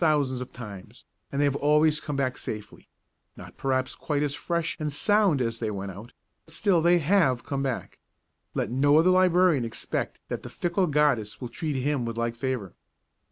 thousands of times, and they have always come back safely, not perhaps quite as fresh and sound as they went out, still they have come back; let no other librarian expect that the fickle goddess will treat him with like favour.